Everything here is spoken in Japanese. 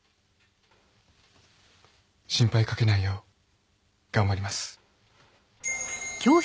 心配かけないよう頑張ります。